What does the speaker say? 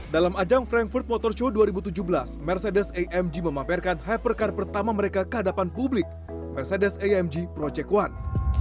dalam ajang frankfurt motor show dua ribu tujuh belas mercedes amg memamerkan hypercar pertama mereka ke hadapan publik mercedes amg project one